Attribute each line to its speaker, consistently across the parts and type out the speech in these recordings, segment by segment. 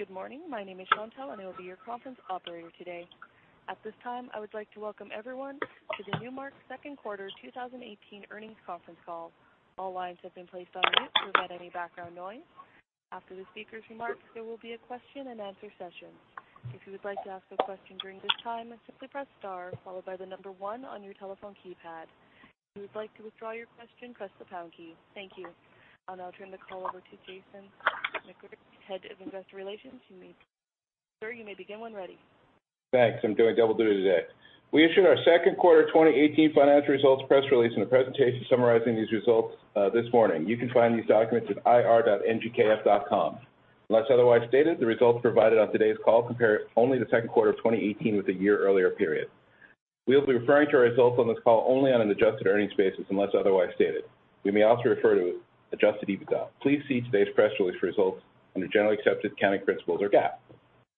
Speaker 1: Good morning. My name is Chantelle, and I will be your conference operator today. At this time, I would like to welcome everyone to the Newmark Second Quarter 2018 Earnings Conference Call. All lines have been placed on mute to prevent any background noise. After the speakers' remarks, there will be a question and answer session. If you would like to ask a question during this time, simply press star followed by 1 on your telephone keypad. If you would like to withdraw your question, press the pound key. Thank you. I'll now turn the call over to Jason McGruder, Head of Investor Relations. Sir, you may begin when ready.
Speaker 2: Thanks. I'm doing double duty today. We issued our second quarter 2018 financial results press release and a presentation summarizing these results this morning. You can find these documents at ir.nmrk.com. Unless otherwise stated, the results provided on today's call compare only the second quarter of 2018 with the year earlier period. We'll be referring to our results on this call only on an adjusted earnings basis, unless otherwise stated. We may also refer to adjusted EBITDA. Please see today's press release for results under generally accepted accounting principles or GAAP.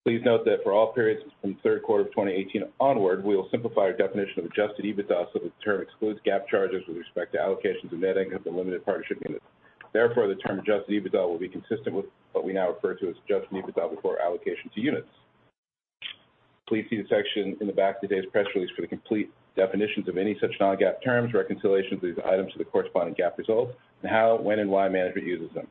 Speaker 2: Please note that for all periods from the third quarter of 2018 onward, we will simplify our definition of adjusted EBITDA, so the term excludes GAAP charges with respect to allocations of net income to limited partnership units. Therefore, the term adjusted EBITDA will be consistent with what we now refer to as adjusted EBITDA before allocation to units. Please see the section in the back of today's press release for the complete definitions of any such non-GAAP terms, reconciliation of these items to the corresponding GAAP results, and how, when, and why management uses them.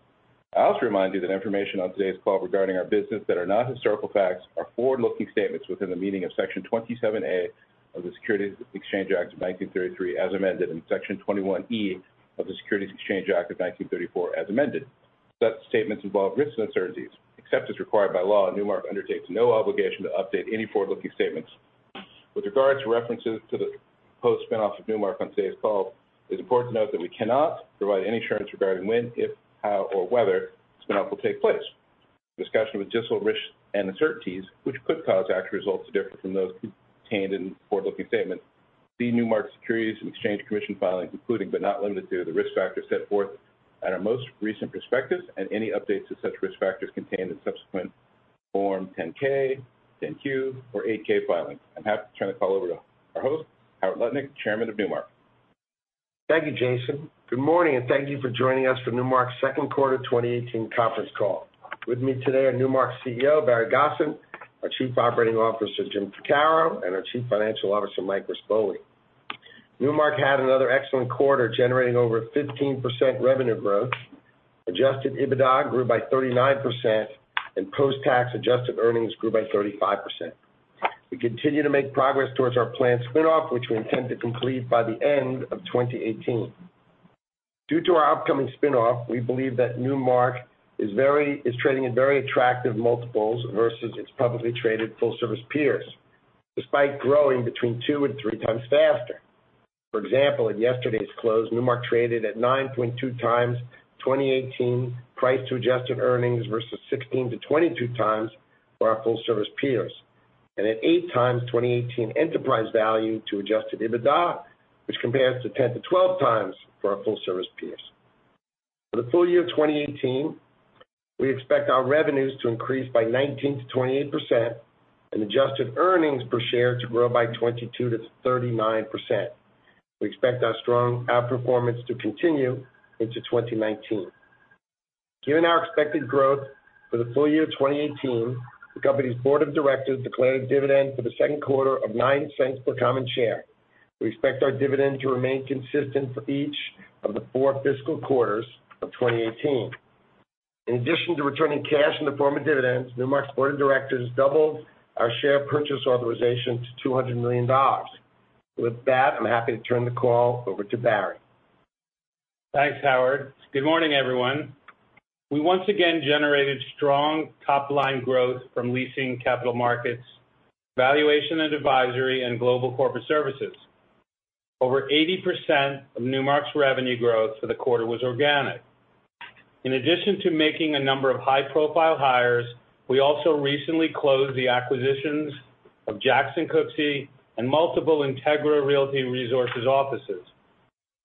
Speaker 2: I also remind you that information on today's call regarding our business that are not historical facts are forward-looking statements within the meaning of Section 27A of the Securities Act of 1933, as amended, and Section 21E of the Securities Exchange Act of 1934 as amended. Such statements involve risks and uncertainties. Except as required by law, Newmark undertakes no obligation to update any forward-looking statements. With regard to references to the post-spin-off of Newmark on today's call, it is important to note that we cannot provide any assurance regarding when, if, how, or whether a spin-off will take place. For a discussion of additional risks and uncertainties which could cause actual results to differ from those contained in forward-looking statements, see Newmark's Securities and Exchange Commission filings, including but not limited to the risk factors set forth in our most recent prospectus and any updates to such risk factors contained in subsequent Form 10-K, 10-Q, or 8-K filings. I'm happy to turn the call over to our host, Howard Lutnick, Chairman of Newmark.
Speaker 3: Thank you, Jason. Good morning, and thank you for joining us for Newmark's second quarter 2018 conference call. With me today are Newmark's CEO, Barry Gosin, our Chief Operating Officer, James Ficarro, and our Chief Financial Officer, Michael Rispoli. Newmark had another excellent quarter, generating over 15% revenue growth. Adjusted EBITDA grew by 39%, and post-tax adjusted earnings grew by 35%. We continue to make progress towards our planned spin-off, which we intend to complete by the end of 2018. Due to our upcoming spin-off, we believe that Newmark is trading at very attractive multiples versus its publicly traded full-service peers, despite growing between two and three times faster. For example, at yesterday's close, Newmark traded at 9.2x 2018 price to adjusted earnings versus 16x-22x for our full-service peers, and at 8x 2018 enterprise value to adjusted EBITDA, which compares to 10x-12x for our full-service peers. For the full year 2018, we expect our revenues to increase by 19%-28% and adjusted earnings per share to grow by 22%-39%. We expect our strong outperformance to continue into 2019. Given our expected growth for the full year 2018, the company's board of directors declared a dividend for the second quarter of $0.09 per common share. We expect our dividend to remain consistent for each of the four fiscal quarters of 2018. In addition to returning cash in the form of dividends, Newmark's board of directors doubled our share purchase authorization to $200 million. With that, I'm happy to turn the call over to Barry.
Speaker 4: Thanks, Howard. Good morning, everyone. We once again generated strong top-line growth from leasing Capital Markets, Valuation & Advisory, and Global Corporate Services. Over 80% of Newmark's revenue growth for the quarter was organic. In addition to making a number of high-profile hires, we also recently closed the acquisitions of Jackson Cooksey and multiple Integra Realty Resources offices.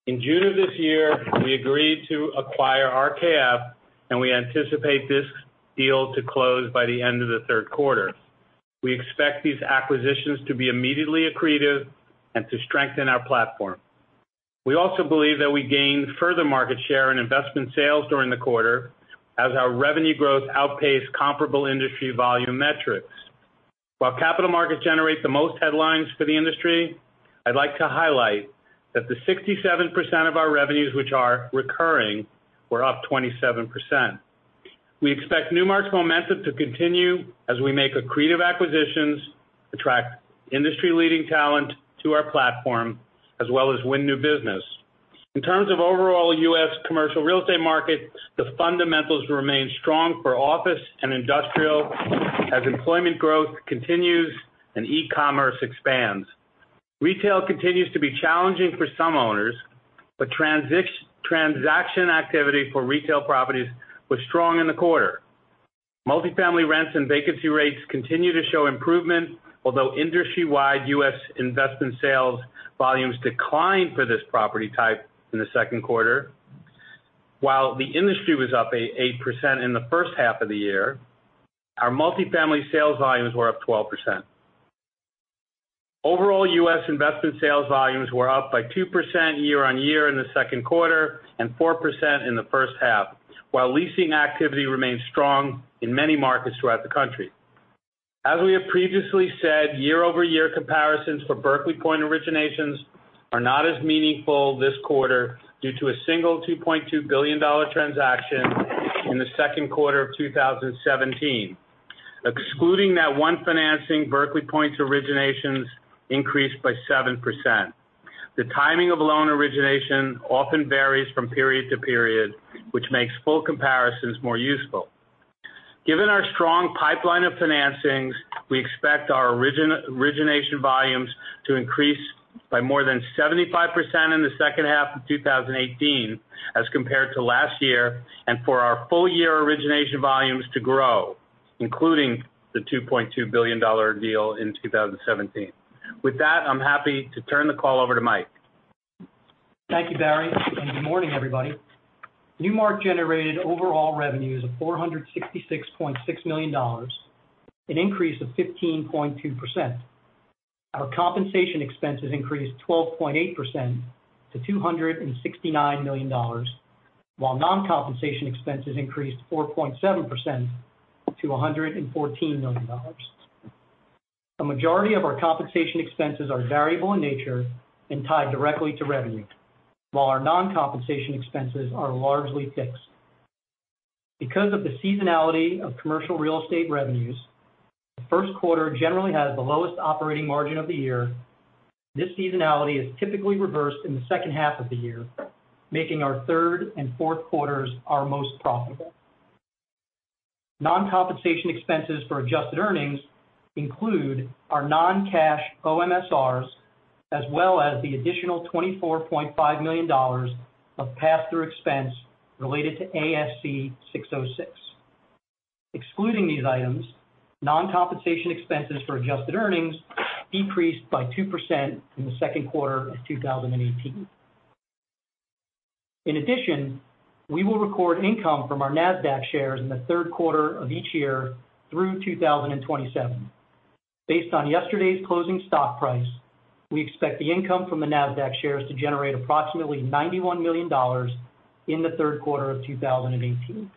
Speaker 4: In June of this year, we agreed to acquire RKF, and we anticipate this deal to close by the end of the third quarter. We expect these acquisitions to be immediately accretive and to strengthen our platform. We also believe that we gained further market share in investment sales during the quarter as our revenue growth outpaced comparable industry volume metrics. While Capital Markets generate the most headlines for the industry, I'd like to highlight that the 67% of our revenues which are recurring were up 27%. We expect Newmark's momentum to continue as we make accretive acquisitions, attract industry-leading talent to our platform, as well as win new business. In terms of overall U.S. commercial real estate market, the fundamentals remain strong for office and industrial as employment growth continues and e-commerce expands. Retail continues to be challenging for some owners, but transaction activity for retail properties was strong in the quarter. Multifamily rents and vacancy rates continue to show improvement, although industry-wide U.S. investment sales volumes declined for this property type in the second quarter. While the industry was up 8% in the first half of the year, our multifamily sales volumes were up 12%. Overall, U.S. investment sales volumes were up by 2% year-on-year in the second quarter and 4% in the first half, while leasing activity remains strong in many markets throughout the country. As we have previously said, year-over-year comparisons for Berkeley Point originations are not as meaningful this quarter due to a single $2.2 billion transaction in the second quarter of 2017. Excluding that one financing, Berkeley Point's originations increased by 7%. The timing of loan origination often varies from period to period, which makes full comparisons more useful. Given our strong pipeline of financings, we expect our origination volumes to increase by more than 75% in the second half of 2018 as compared to last year, and for our full-year origination volumes to grow, including the $2.2 billion deal in 2017. With that, I'm happy to turn the call over to Mike.
Speaker 5: Thank you, Barry, and good morning, everybody. Newmark generated overall revenues of $466.6 million, an increase of 15.2%. Our compensation expenses increased 12.8% to $269 million, while non-compensation expenses increased 4.7% to $114 million. A majority of our compensation expenses are variable in nature and tied directly to revenue, while our non-compensation expenses are largely fixed. Because of the seasonality of commercial real estate revenues, the first quarter generally has the lowest operating margin of the year. This seasonality is typically reversed in the second half of the year, making our third and fourth quarters our most profitable. Non-compensation expenses for adjusted earnings include our non-cash OMSRs, as well as the additional $24.5 million of pass-through expense related to ASC 606. Excluding these items, non-compensation expenses for adjusted earnings decreased by 2% in the second quarter of 2018. In addition, we will record income from our Nasdaq shares in the third quarter of each year through 2027. Based on yesterday's closing stock price, we expect the income from the Nasdaq shares to generate approximately $91 million in the third quarter of 2018.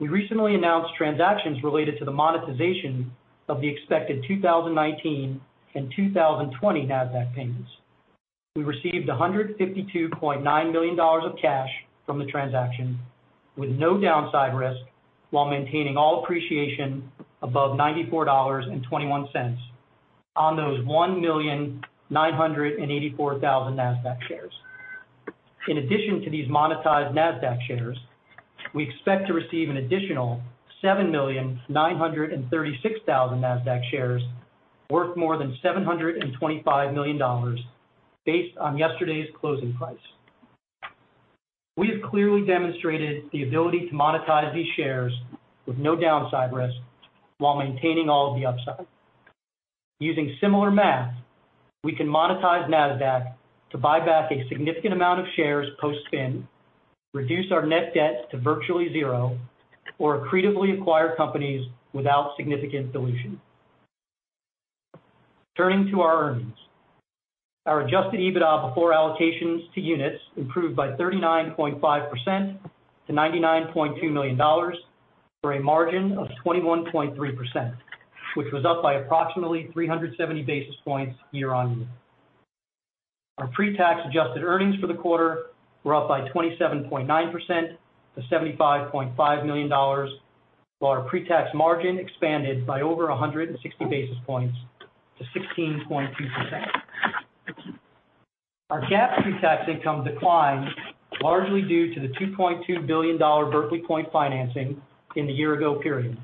Speaker 5: We recently announced transactions related to the monetization of the expected 2019 and 2020 Nasdaq payments. We received $152.9 million of cash from the transaction with no downside risk while maintaining all appreciation above $94.21 on those 1,984,000 Nasdaq shares. In addition to these monetized Nasdaq shares, we expect to receive an additional 7,936,000 Nasdaq shares worth more than $725 million based on yesterday's closing price. We have clearly demonstrated the ability to monetize these shares with no downside risk while maintaining all of the upside. Using similar math, we can monetize Nasdaq to buy back a significant amount of shares post-spin, reduce our net debt to virtually zero, or accretively acquire companies without significant dilution. Turning to our earnings. Our adjusted EBITDA before allocations to units improved by 39.5% to $99.2 million, for a margin of 21.3%, which was up by approximately 370 basis points year-on-year. Our pre-tax adjusted earnings for the quarter were up by 27.9% to $75.5 million, while our pre-tax margin expanded by over 160 basis points to 16.2%. Our GAAP pre-tax income declined largely due to the $2.2 billion Berkeley Point financing in the year-ago period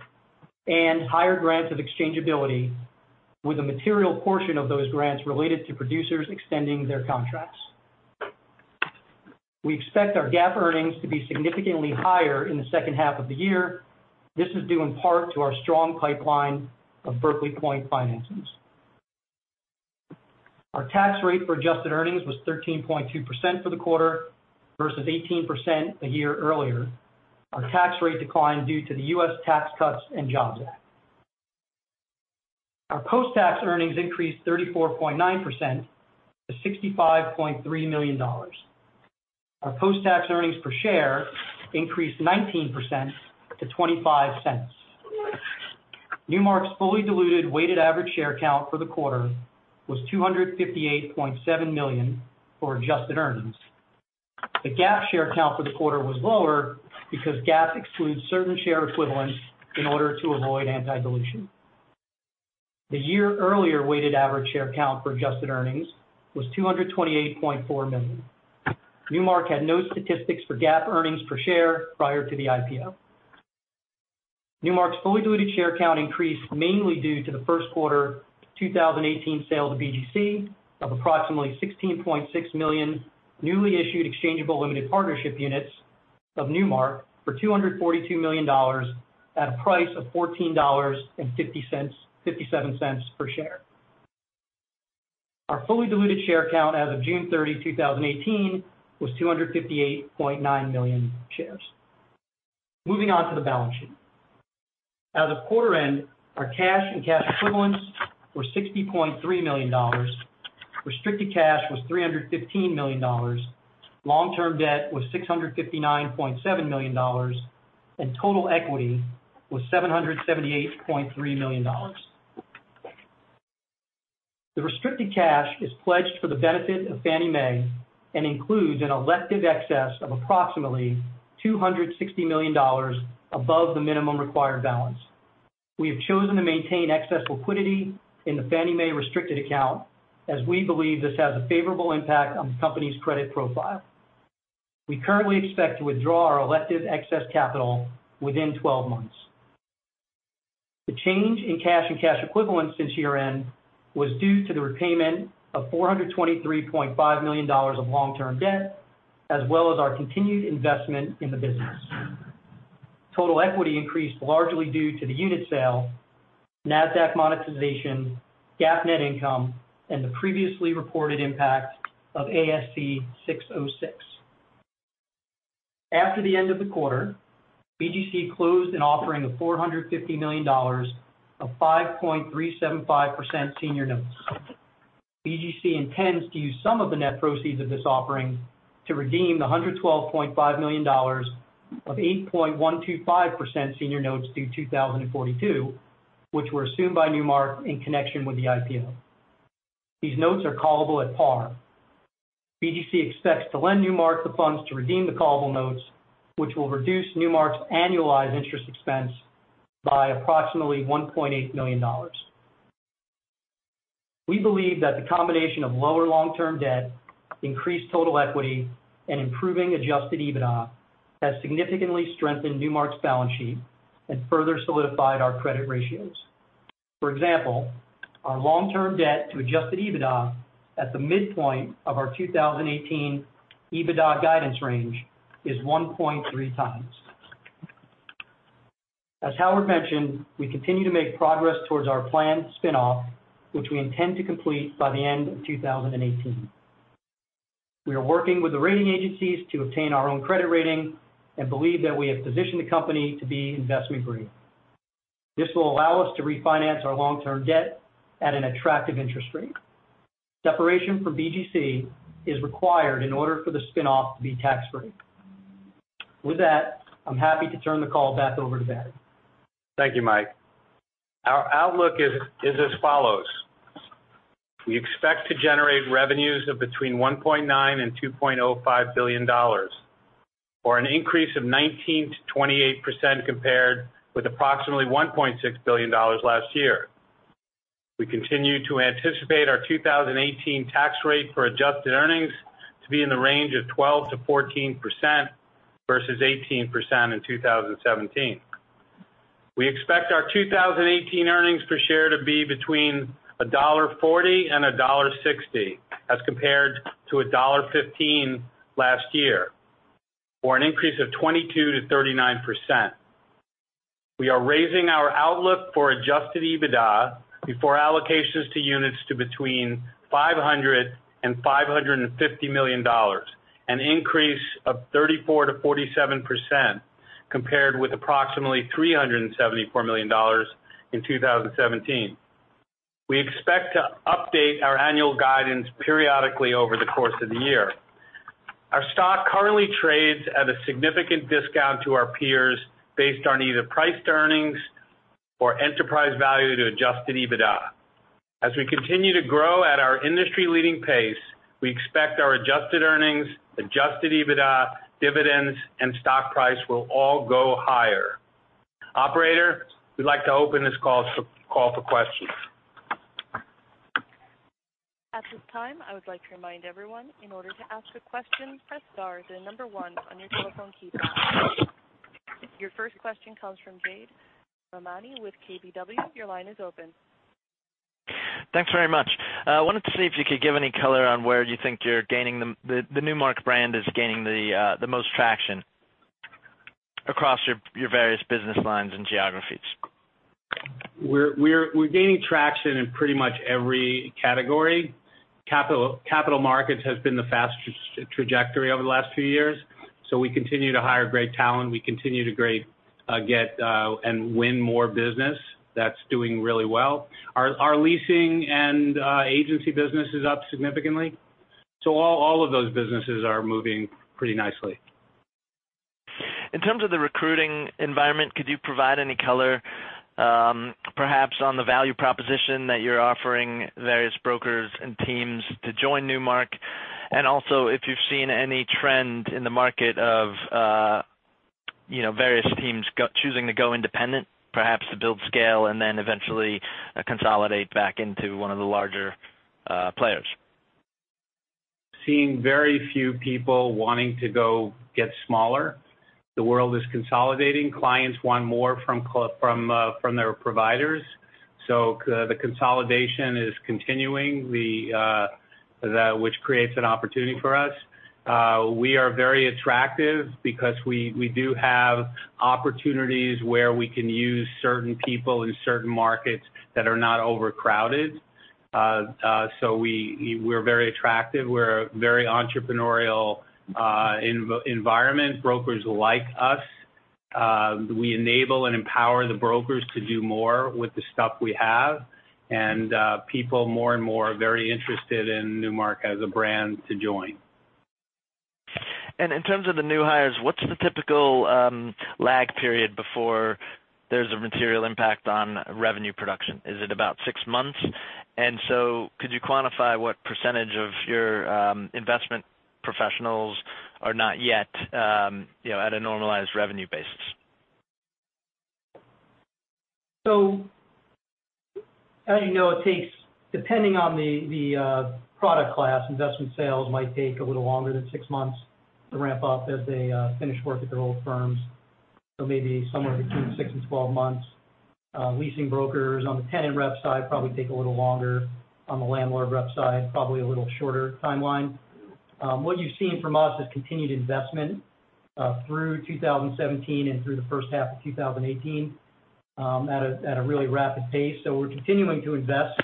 Speaker 5: and higher grants of exchangeability, with a material portion of those grants related to producers extending their contracts. We expect our GAAP earnings to be significantly higher in the second half of the year. This is due in part to our strong pipeline of Berkeley Point financings. Our tax rate for adjusted earnings was 13.2% for the quarter versus 18% a year earlier. Our tax rate declined due to the U.S. Tax Cuts and Jobs Act. Our post-tax earnings increased 34.9% to $65.3 million. Our post-tax earnings per share increased 19% to $0.25. Newmark's fully diluted weighted average share count for the quarter was 258.7 million for adjusted earnings. The GAAP share count for the quarter was lower because GAAP excludes certain share equivalents in order to avoid anti-dilution. The year-earlier weighted average share count for adjusted earnings was 228.4 million. Newmark had no statistics for GAAP earnings per share prior to the IPO. Newmark's fully diluted share count increased mainly due to the first quarter 2018 sale to BGC of approximately 16.6 million newly issued exchangeable limited partnership units of Newmark for $242 million at a price of $14.57 per share. Our fully diluted share count as of June 30, 2018 was 258.9 million shares. Moving on to the balance sheet. As of quarter end, our cash and cash equivalents were $60.3 million. Restricted cash was $315 million. Long-term debt was $659.7 million, and total equity was $778.3 million. The restricted cash is pledged for the benefit of Fannie Mae and includes an elective excess of approximately $260 million above the minimum required balance. We have chosen to maintain excess liquidity in the Fannie Mae restricted account as we believe this has a favorable impact on the company's credit profile. We currently expect to withdraw our elective excess capital within 12 months. The change in cash and cash equivalents since year-end was due to the repayment of $423.5 million of long-term debt, as well as our continued investment in the business. Total equity increased largely due to the unit sale, Nasdaq monetization, GAAP net income, and the previously reported impact of ASC 606. After the end of the quarter, BGC closed an offering of $450 million of 5.375% senior notes. BGC intends to use some of the net proceeds of this offering to redeem the $112.5 million of 8.125% senior notes due 2042, which were assumed by Newmark in connection with the IPO. These notes are callable at par. BGC expects to lend Newmark the funds to redeem the callable notes, which will reduce Newmark's annualized interest expense by approximately $1.8 million. We believe that the combination of lower long-term debt, increased total equity, and improving adjusted EBITDA has significantly strengthened Newmark's balance sheet and further solidified our credit ratios. For example, our long-term debt to adjusted EBITDA at the midpoint of our 2018 EBITDA guidance range is 1.3 times. As Howard mentioned, we continue to make progress towards our planned spinoff, which we intend to complete by the end of 2018. We are working with the rating agencies to obtain our own credit rating and believe that we have positioned the company to be investment grade. This will allow us to refinance our long-term debt at an attractive interest rate. Separation from BGC is required in order for the spinoff to be tax-free. With that, I'm happy to turn the call back over to Barry.
Speaker 4: Thank you, Mike. Our outlook is as follows. We expect to generate revenues of between $1.9 billion-$2.05 billion, or an increase of 19%-28% compared with approximately $1.6 billion last year. We continue to anticipate our 2018 tax rate for adjusted earnings to be in the range of 12%-14% versus 18% in 2017. We expect our 2018 earnings per share to be between $1.40-$1.60 as compared to $1.15 last year, or an increase of 22%-39%. We are raising our outlook for adjusted EBITDA before allocations to units to between $500 million-$550 million, an increase of 34%-47% compared with approximately $374 million in 2017. We expect to update our annual guidance periodically over the course of the year. Our stock currently trades at a significant discount to our peers based on either price to earnings or enterprise value to adjusted EBITDA. As we continue to grow at our industry-leading pace, we expect our adjusted earnings, adjusted EBITDA, dividends, and stock price will all go higher. Operator, we'd like to open this call for questions.
Speaker 1: At this time, I would like to remind everyone, in order to ask a question, press star then number one on your telephone keypad. Your first question comes from Jade Rahmani with KBW. Your line is open.
Speaker 6: Thanks very much. I wanted to see if you could give any color on where you think the Newmark brand is gaining the most traction across your various business lines and geographies.
Speaker 4: We're gaining traction in pretty much every category. Capital Markets has been the fastest trajectory over the last few years, we continue to hire great talent. We continue to get and win more business. That's doing really well. Our leasing and agency business is up significantly. All of those businesses are moving pretty nicely.
Speaker 6: In terms of the recruiting environment, could you provide any color perhaps on the value proposition that you're offering various brokers and teams to join Newmark? If you've seen any trend in the market of various teams choosing to go independent, perhaps to build scale and then eventually consolidate back into one of the larger players.
Speaker 4: Seeing very few people wanting to go get smaller. The world is consolidating. Clients want more from their providers. The consolidation is continuing.
Speaker 3: Which creates an opportunity for us. We are very attractive because we do have opportunities where we can use certain people in certain markets that are not overcrowded. We're very attractive. We're a very entrepreneurial environment. Brokers like us. We enable and empower the brokers to do more with the stuff we have. People more and more are very interested in Newmark as a brand to join.
Speaker 6: In terms of the new hires, what's the typical lag period before there's a material impact on revenue production? Is it about six months? Could you quantify what percentage of your investment professionals are not yet at a normalized revenue basis?
Speaker 5: As you know, depending on the product class, investment sales might take a little longer than six months to ramp up as they finish work at their old firms. Maybe somewhere between 6 and 12 months. Leasing brokers on the tenant rep side probably take a little longer. On the landlord rep side, probably a little shorter timeline. What you've seen from us is continued investment through 2017 and through the first half of 2018 at a really rapid pace. We're continuing to invest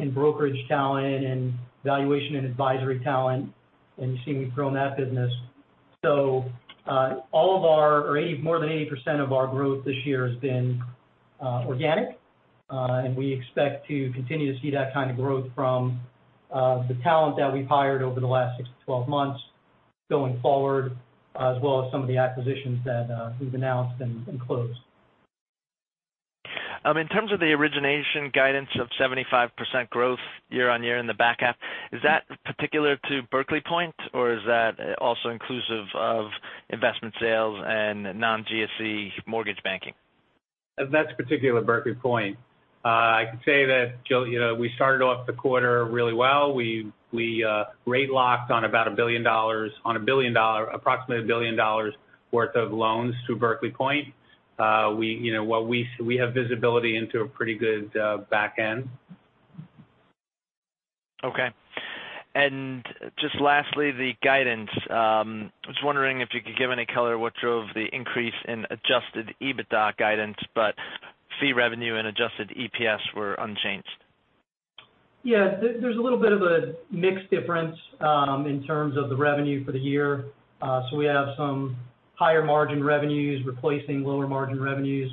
Speaker 5: in brokerage talent and Valuation & Advisory talent, and you've seen me grow that business. More than 80% of our growth this year has been organic. We expect to continue to see that kind of growth from the talent that we've hired over the last 6 to 12 months going forward, as well as some of the acquisitions that we've announced and closed.
Speaker 6: In terms of the origination guidance of 75% growth year-over-year in the back half, is that particular to Berkeley Point, or is that also inclusive of investment sales and non-GSE mortgage banking?
Speaker 3: That's particular to Berkeley Point. I can say that we started off the quarter really well. We rate locked on approximately $1 billion worth of loans through Berkeley Point. We have visibility into a pretty good back end.
Speaker 6: Okay. Just lastly, the guidance. I was wondering if you could give any color what drove the increase in adjusted EBITDA guidance, but fee revenue and adjusted EPS were unchanged.
Speaker 5: Yeah. There's a little bit of a mix difference in terms of the revenue for the year. We have some higher margin revenues replacing lower margin revenues,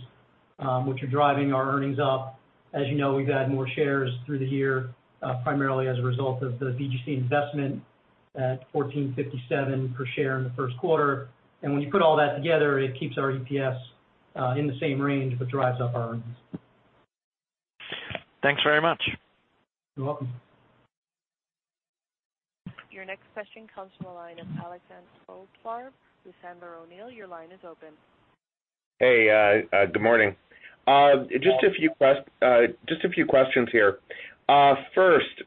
Speaker 5: which are driving our earnings up. As you know, we've had more shares through the year primarily as a result of the BGC investment at $14.57 per share in the first quarter. When you put all that together, it keeps our EPS in the same range but drives up our earnings.
Speaker 6: Thanks very much.
Speaker 5: You're welcome.
Speaker 1: Your next question comes from the line of Alexander Goldfarb, Sandler O'Neill. Your line is open.
Speaker 7: Hey, good morning.
Speaker 5: Hello.
Speaker 7: Just a few questions here. First,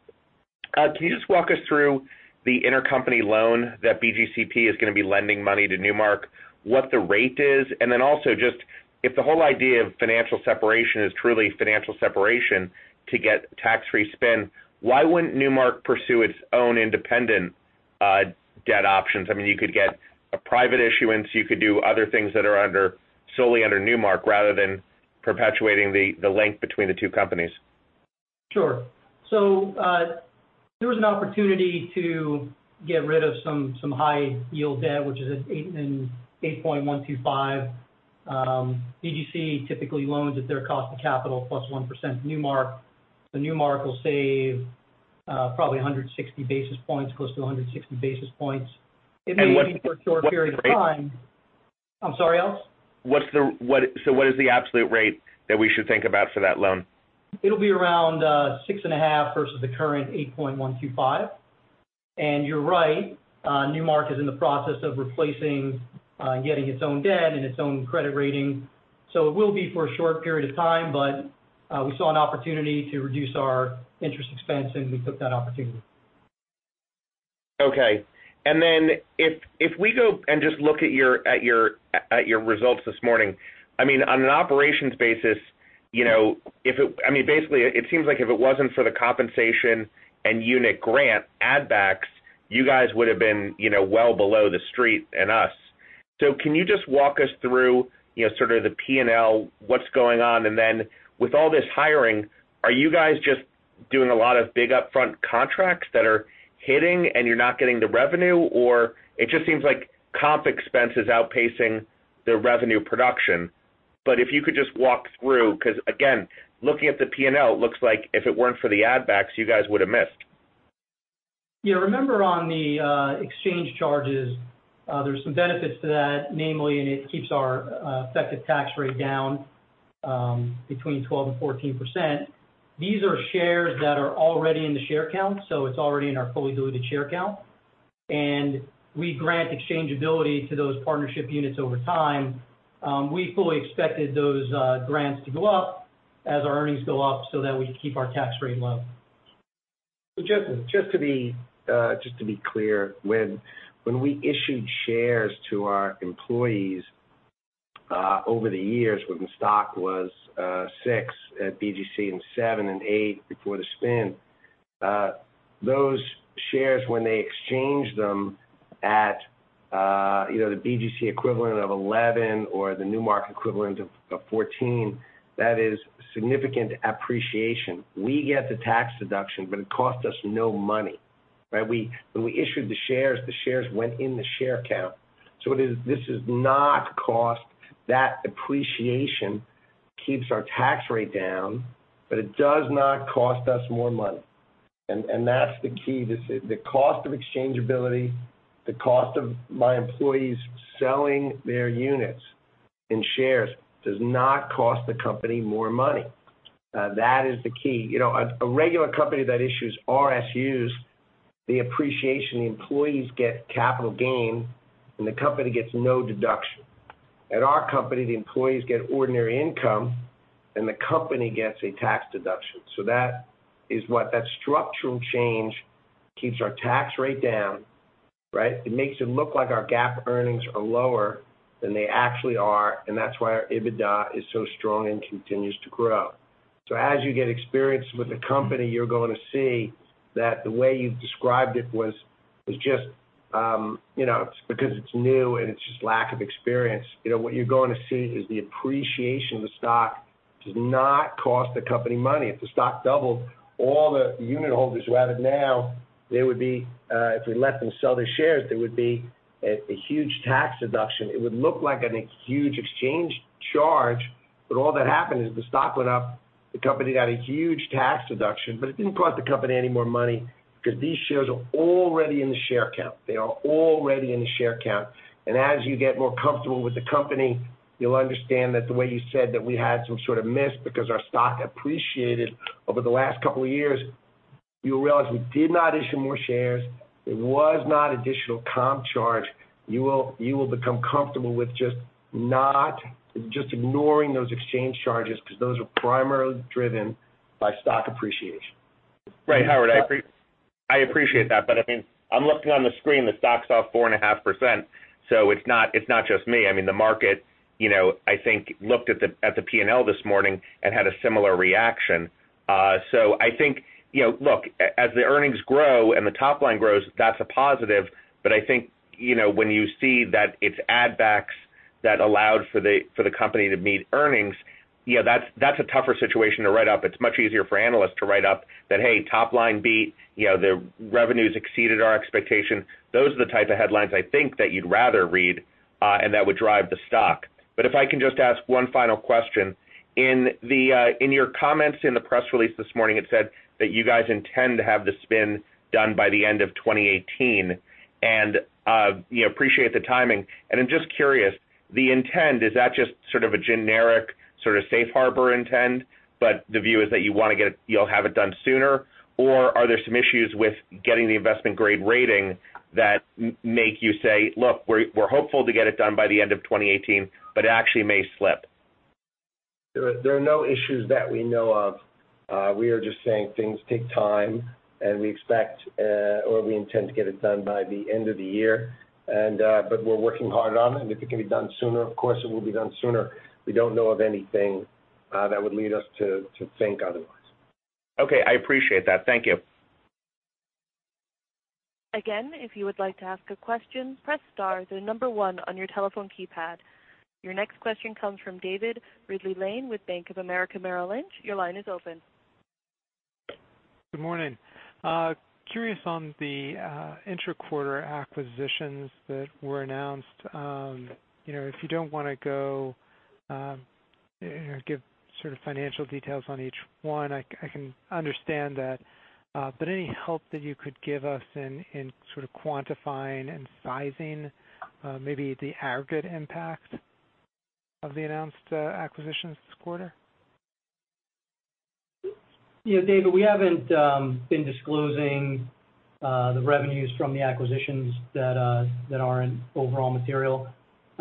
Speaker 7: can you just walk us through the intercompany loan that BGCP is going to be lending money to Newmark, what the rate is, and then also just if the whole idea of financial separation is truly financial separation to get tax-free spin, why wouldn't Newmark pursue its own independent debt options? You could get a private issuance. You could do other things that are solely under Newmark rather than perpetuating the link between the two companies.
Speaker 5: Sure. There was an opportunity to get rid of some high-yield debt, which is at 8.125%. BGC typically loans at their cost of capital plus 1%. Newmark will save probably 160 basis points, close to 160 basis points.
Speaker 7: What's the rate?
Speaker 5: For a short period of time. I'm sorry, Alex?
Speaker 7: What is the absolute rate that we should think about for that loan?
Speaker 5: It'll be around 6.5 versus the current 8.125. You're right, Newmark is in the process of replacing and getting its own debt and its own credit rating. It will be for a short period of time, but we saw an opportunity to reduce our interest expense, and we took that opportunity.
Speaker 7: Okay. If we go and just look at your results this morning, on an operations basis, basically it seems like if it wasn't for the compensation and unit grant add backs, you guys would've been well below the street and us. Can you just walk us through sort of the P&L, what's going on? With all this hiring, are you guys just doing a lot of big upfront contracts that are hitting and you're not getting the revenue? It just seems like comp expense is outpacing the revenue production. If you could just walk through, because again, looking at the P&L, it looks like if it weren't for the add backs, you guys would've missed.
Speaker 5: Yeah. Remember on the exchange charges, there's some benefits to that, namely, and it keeps our effective tax rate down between 12% and 14%. These are shares that are already in the share count, so it's already in our fully diluted share count. We grant exchangeability to those partnership units over time. We fully expected those grants to go up as our earnings go up so that we can keep our tax rate low.
Speaker 3: Just to be clear, when we issued shares to our employees Over the years, when the stock was six at BGC, and seven and eight before the spin, those shares when they exchanged them at the BGC equivalent of 11 or the Newmark equivalent of 14, that is significant appreciation. We get the tax deduction, but it cost us no money, right? When we issued the shares, the shares went in the share count. This does not cost. That appreciation keeps our tax rate down, but it does not cost us more money. That's the key. The cost of exchangeability, the cost of my employees selling their units and shares does not cost the company more money. That is the key. A regular company that issues RSUs, the appreciation, the employees get capital gain and the company gets no deduction. At our company, the employees get ordinary income and the company gets a tax deduction. That is what that structural change keeps our tax rate down. Right? It makes it look like our GAAP earnings are lower than they actually are, and that's why our EBITDA is so strong and continues to grow. As you get experience with the company, you're going to see that the way you've described it was just because it's new and it's just lack of experience. What you're going to see is the appreciation of the stock does not cost the company money. If the stock doubled, all the unit holders who have it now, if we let them sell their shares, there would be a huge tax deduction. It would look like a huge exchange charge, but all that happened is the stock went up, the company got a huge tax deduction, but it didn't cost the company any more money because these shares are already in the share count. They are already in the share count. As you get more comfortable with the company, you'll understand that the way you said that we had some sort of miss because our stock appreciated over the last couple of years, you'll realize we did not issue more shares. It was not additional comp charge. You will become comfortable with just ignoring those exchange charges because those are primarily driven by stock appreciation.
Speaker 7: Howard, I appreciate that. I'm looking on the screen, the stock's off 4.5%, so it's not just me. The market I think looked at the P&L this morning and had a similar reaction. I think, look, as the earnings grow and the top line grows, that's a positive, but I think when you see that it's add backs that allowed for the company to meet earnings, that's a tougher situation to write up. It's much easier for analysts to write up that, "Hey, top line beat. Their revenues exceeded our expectation." Those are the type of headlines I think that you'd rather read, and that would drive the stock. If I can just ask one final question. In your comments in the press release this morning, it said that you guys intend to have the spin done by the end of 2018, and appreciate the timing. I'm just curious, the intent, is that just sort of a generic, sort of safe harbor intent, but the view is that you'll have it done sooner? Or are there some issues with getting the investment grade rating that make you say, "Look, we're hopeful to get it done by the end of 2018, but it actually may slip.
Speaker 3: There are no issues that we know of. We are just saying things take time, and we expect, or we intend to get it done by the end of the year. We're working hard on it, and if it can be done sooner, of course it will be done sooner. We don't know of anything that would lead us to think otherwise.
Speaker 7: Okay. I appreciate that. Thank you.
Speaker 1: Again, if you would like to ask a question, press star, the number one on your telephone keypad. Your next question comes from David Ridley-Lane with Bank of America Merrill Lynch. Your line is open.
Speaker 8: Good morning. Curious on the intra-quarter acquisitions that were announced. If you don't want to give sort of financial details on each one, I can understand that. Any help that you could give us in sort of quantifying and sizing maybe the aggregate impact of the announced acquisitions this quarter?
Speaker 3: Yeah. David, we haven't been disclosing the revenues from the acquisitions that aren't overall material.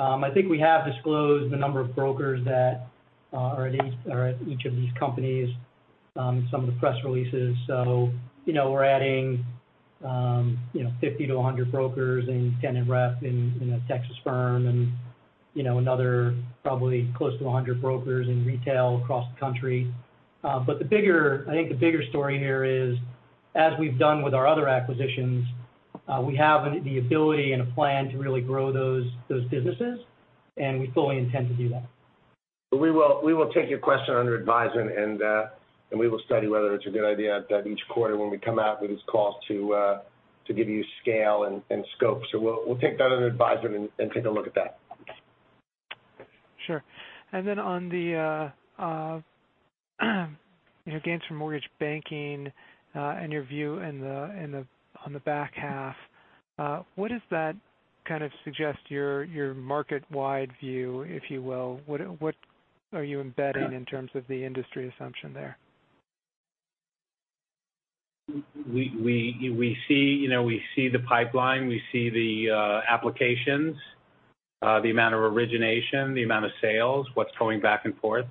Speaker 3: I think we have disclosed the number of brokers that are at each of these companies in some of the press releases. We're adding 50 to 100 brokers in tenant rep in a Texas firm and another probably close to 100 brokers in retail across the country. I think the bigger story here is, as we've done with our other acquisitions, we have the ability and a plan to really grow those businesses, and we fully intend to do that. We will take your question under advisement, and we will study whether it's a good idea that each quarter when we come out with these calls to give you scale and scope. We'll take that under advisement and take a look at that.
Speaker 8: Sure. On the gains from mortgage banking and your view on the back half. What does that kind of suggest your market-wide view, if you will? What are you embedding in terms of the industry assumption there?
Speaker 3: We see the pipeline. We see the applications, the amount of origination, the amount of sales, what's going back and forth.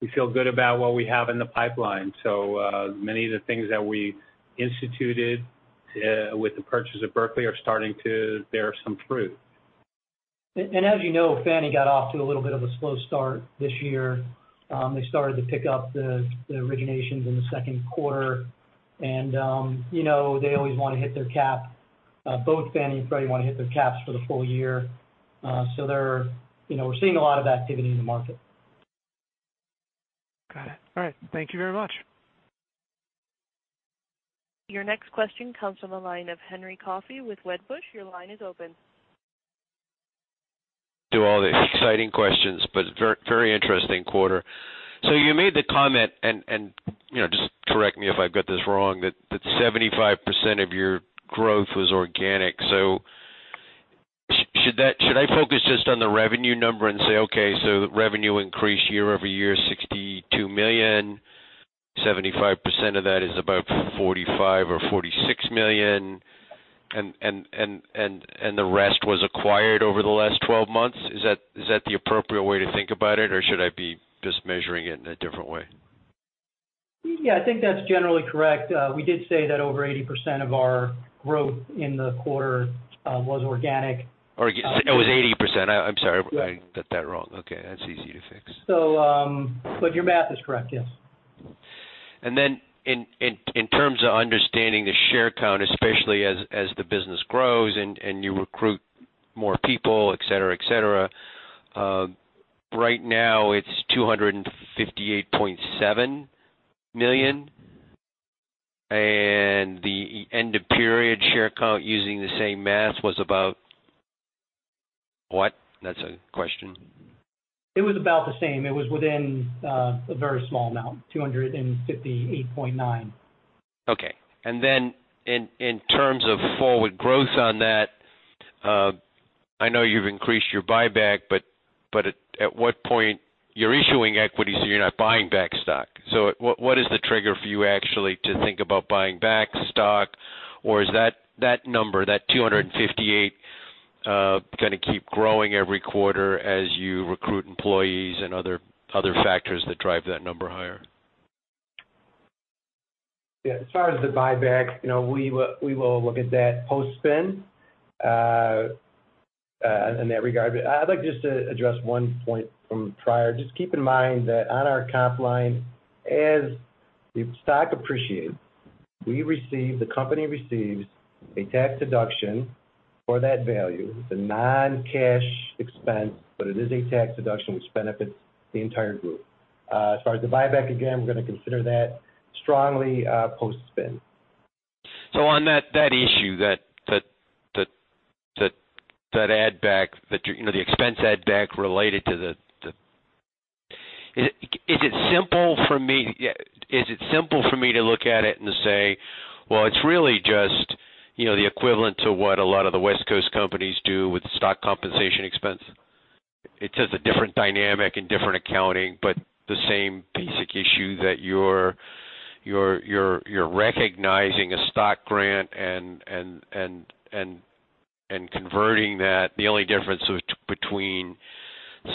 Speaker 3: We feel good about what we have in the pipeline. Many of the things that we instituted with the purchase of Berkeley are starting to bear some fruit.
Speaker 5: As you know, Fannie got off to a little bit of a slow start this year. They started to pick up the originations in the second quarter, and they always want to hit their cap. Both Fannie and Freddie want to hit their caps for the full year. We're seeing a lot of activity in the market.
Speaker 8: Got it. All right. Thank you very much.
Speaker 1: Your next question comes from the line of Henry Coffey with Wedbush. Your line is open.
Speaker 9: Do all the exciting questions, but very interesting quarter. You made the comment, and just correct me if I've got this wrong, that 75% of your growth was organic. Should I focus just on the revenue number and say, okay, revenue increased year-over-year $62 million, 75% of that is about $45 million or $46 million, and the rest was acquired over the last 12 months? Is that the appropriate way to think about it, or should I be just measuring it in a different way?
Speaker 5: Yeah, I think that's generally correct. We did say that over 80% of our growth in the quarter was organic.
Speaker 9: It was 80%. I'm sorry. I got that wrong. Okay, that's easy to fix.
Speaker 5: Your math is correct, yes.
Speaker 9: In terms of understanding the share count, especially as the business grows and you recruit more people, et cetera. Right now, it's 258.7 million, and the end-of-period share count using the same math was about what? That's a question.
Speaker 5: It was about the same. It was within a very small amount, 258.9.
Speaker 9: In terms of forward growth on that, I know you've increased your buyback. You're issuing equity, so you're not buying back stock. What is the trigger for you actually to think about buying back stock? Is that number, that 258, going to keep growing every quarter as you recruit employees and other factors that drive that number higher?
Speaker 3: As far as the buyback, we will look at that post-spin, in that regard. I'd like just to address one point from prior. Just keep in mind that on our comp line, as the stock appreciates, the company receives a tax deduction for that value. It's a non-cash expense, but it is a tax deduction which benefits the entire group. As far as the buyback, again, we're going to consider that strongly post-spin.
Speaker 9: On that issue, is it simple for me to look at it and say, well, it's really just the equivalent to what a lot of the West Coast companies do with stock compensation expense? It's just a different dynamic and different accounting, but the same basic issue that you're recognizing a stock grant and converting that. The only difference between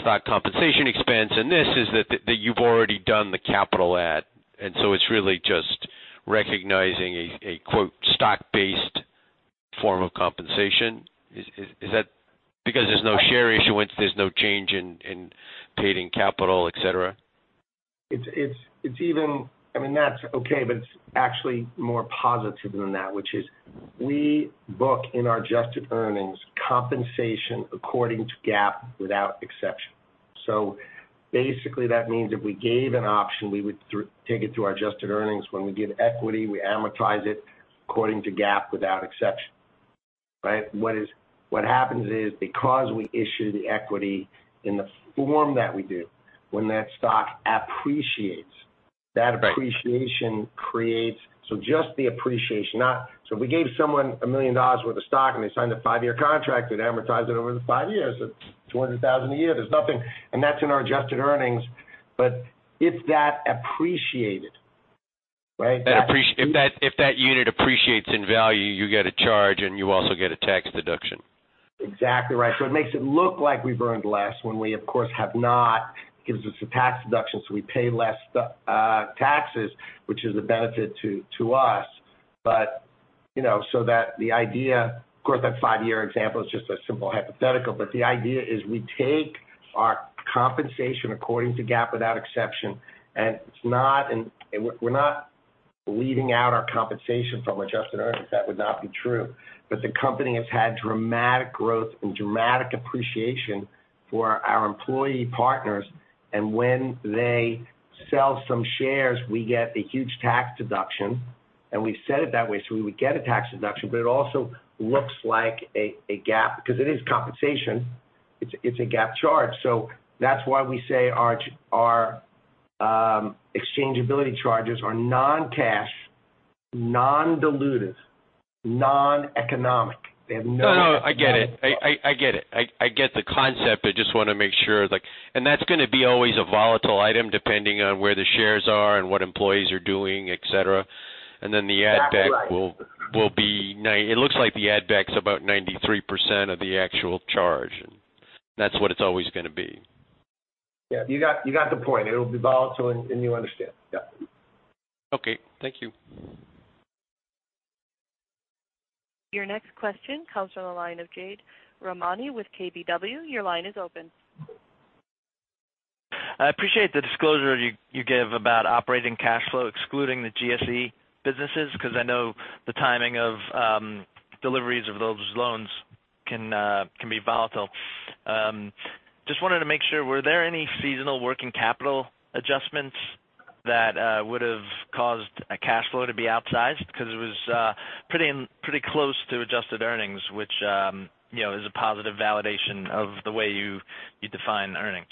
Speaker 9: stock compensation expense and this is that you've already done the capital add, it's really just recognizing a quote, "stock-based form of compensation." Because there's no share issuance, there's no change in paid-in capital, et cetera.
Speaker 3: That's okay, it's actually more positive than that, which is we book in our adjusted earnings compensation according to GAAP without exception. Basically, that means if we gave an option, we would take it through our adjusted earnings. When we give equity, we amortize it according to GAAP without exception. Right? What happens is because we issue the equity in the form that we do, when that stock appreciates, that appreciation creates. Just the appreciation. If we gave someone $1 million worth of stock and they signed a 5-year contract, we'd amortize it over the 5 years at $200,000 a year. There's nothing. That's in our adjusted earnings. If that appreciated, right?
Speaker 9: If that unit appreciates in value, you get a charge and you also get a tax deduction.
Speaker 3: Exactly right. It makes it look like we've earned less when we, of course, have not. Gives us a tax deduction, we pay less taxes, which is a benefit to us. Of course, that 5-year example is just a simple hypothetical, the idea is we take our compensation according to GAAP without exception, we're not leaving out our compensation from adjusted earnings. That would not be true. The company has had dramatic growth and dramatic appreciation for our employee partners, when they sell some shares, we get a huge tax deduction, we've set it that way so we would get a tax deduction. It also looks like a GAAP, because it is compensation, it's a GAAP charge. That's why we say our exchangeability charges are non-cash, non-dilutive, non-economic. They have no-
Speaker 9: No, I get it. I get it. I get the concept. I just want to make sure. That's going to be always a volatile item depending on where the shares are and what employees are doing, et cetera. Then the add back will be, it looks like the add back's about 93% of the actual charge. That's what it's always going to be.
Speaker 5: Yeah, you got the point. It'll be volatile and you understand. Yeah.
Speaker 9: Okay. Thank you.
Speaker 1: Your next question comes from the line of Jade Rahmani with KBW. Your line is open.
Speaker 6: I appreciate the disclosure you gave about operating cash flow excluding the GSE businesses because I know the timing of deliveries of those loans can be volatile. Just wanted to make sure, were there any seasonal working capital adjustments that would've caused a cash flow to be outsized? Because it was pretty close to adjusted earnings which is a positive validation of the way you define earnings.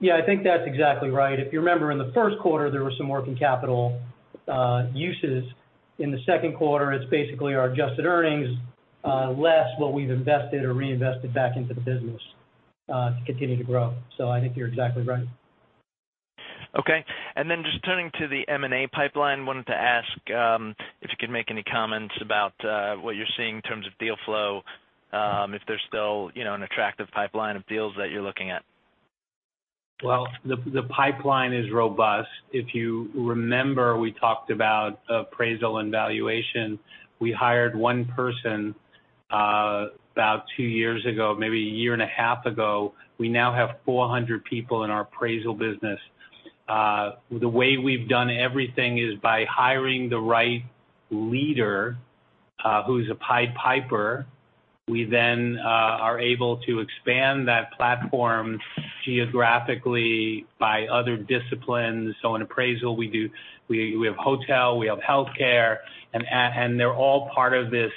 Speaker 5: Yeah, I think that's exactly right. If you remember in the first quarter, there were some working capital uses. In the second quarter, it's basically our adjusted earnings less what we've invested or reinvested back into the business to continue to grow. I think you're exactly right.
Speaker 6: Okay, just turning to the M&A pipeline, wanted to ask if you could make any comments about what you're seeing in terms of deal flow, if there's still an attractive pipeline of deals that you're looking at.
Speaker 4: Well, the pipeline is robust. If you remember, we talked about appraisal and valuation. We hired one person about two years ago, maybe a year and a half ago. We now have 400 people in our appraisal business. The way we've done everything is by hiring the right leader who's a pied piper. We are able to expand that platform geographically by other disciplines. In appraisal, we have hotel, we have healthcare, and they're all part of this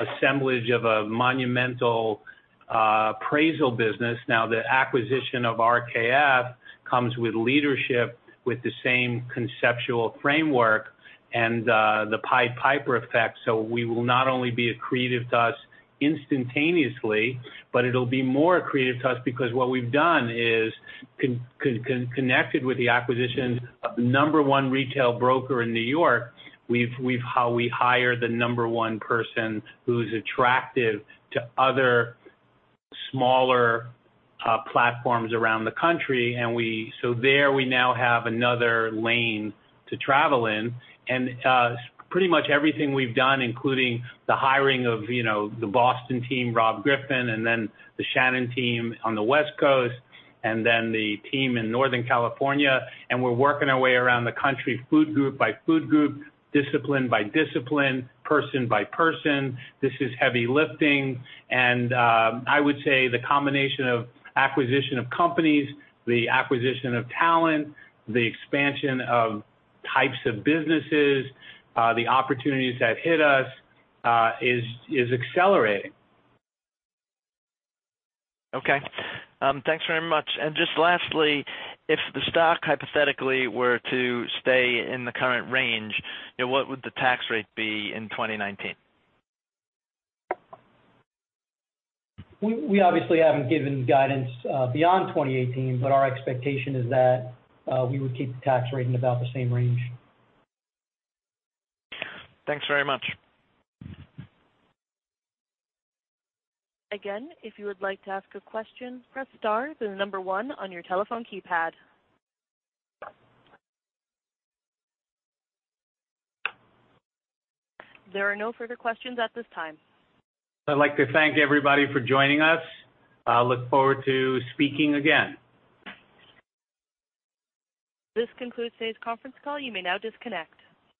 Speaker 4: assemblage of a monumental appraisal business. Now, the acquisition of RKF comes with leadership with the same conceptual framework and the pied piper effect. We will not only be accretive to us instantaneously, but it'll be more accretive to us because what we've done is connected with the acquisition of the number one retail broker in New York. We've hired the number one person who's attractive to other smaller platforms around the country. There we now have another lane to travel in. Pretty much everything we've done, including the hiring of the Boston team, Rob Griffin, then the Shannon team on the West Coast, then the team in Northern California. We're working our way around the country, food group by food group, discipline by discipline, person by person. This is heavy lifting. I would say the combination of acquisition of companies, the acquisition of talent, the expansion of types of businesses, the opportunities that hit us is accelerating.
Speaker 6: Okay. Thanks very much. Just lastly, if the stock hypothetically were to stay in the current range, what would the tax rate be in 2019?
Speaker 5: We obviously haven't given guidance beyond 2018. Our expectation is that we would keep the tax rate in about the same range.
Speaker 6: Thanks very much.
Speaker 1: Again, if you would like to ask a question, press star, then the number one on your telephone keypad. There are no further questions at this time.
Speaker 4: I'd like to thank everybody for joining us. I look forward to speaking again.
Speaker 1: This concludes today's conference call. You may now disconnect.